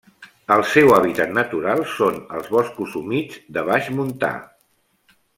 El seu hàbitat natural són els boscos humits de baix montà.